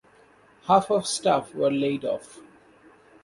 Half of staff were laid off.